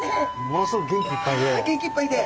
ものすごく元気いっぱいで。